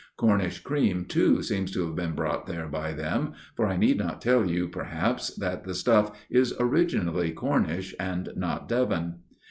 Cornish cream too seems to have been brought there by them for I need not tell you perhaps that the stuff is originally Cornish and not Devon